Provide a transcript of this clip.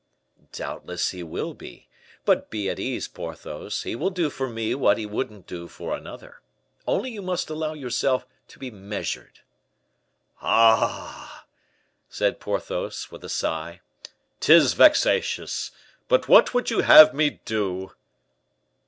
"Doubtless he will be; but be at ease, Porthos; he will do for me what he wouldn't do for another. Only you must allow yourself to be measured!" "Ah!" said Porthos, with a sigh, "'tis vexatious, but what would you have me do?"